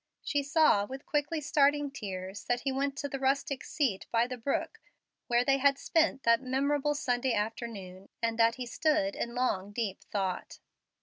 She saw, with quickly starting tears, that he went to the rustic seat by the brook where they had spent that memorable Sunday afternoon, and that he stood in long, deep thought.